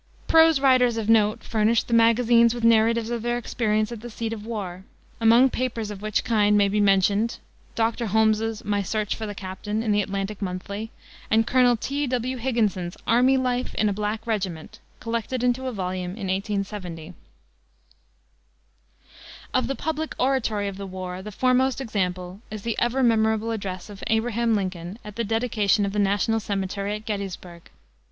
Prose writers of note furnished the magazines with narratives of their experience at the seat of war, among papers of which kind may be mentioned Dr. Holmes's My Search for the Captain, in the Atlantic Monthly, and Colonel T. W. Higginson's Army Life in a Black Regiment, collected into a volume in 1870. Of the public oratory of the war the foremost example is the ever memorable address of Abraham Lincoln at the dedication of the National Cemetery at Gettysburg.